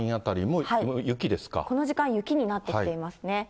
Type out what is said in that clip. この時間、雪になってきていますね。